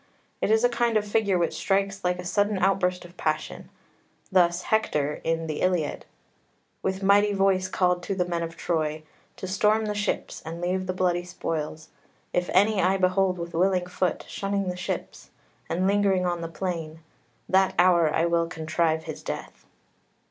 It is a kind of figure which strikes like a sudden outburst of passion. Thus Hector in the Iliad "With mighty voice called to the men of Troy To storm the ships, and leave the bloody spoils: If any I behold with willing foot Shunning the ships, and lingering on the plain, That hour I will contrive his death."